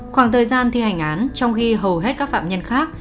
khoảng thời gian thi hành án trong khi hầu hết các phạm nhân khác